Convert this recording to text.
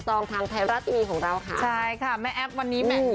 พอหลัง๑๔วันก็แบบอ้าวจะกลับมาแล้วเหรอ